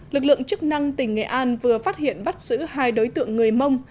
lực lượng chức năng tỉnh nghệ an vừa phát hiện bắt giữ hai đối tượng người mông